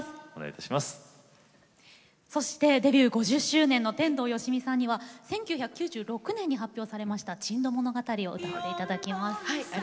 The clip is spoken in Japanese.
そしてデビュー５０周年の天童よしみさんには１９９６年に発表されました「珍島物語」を歌っていただきます。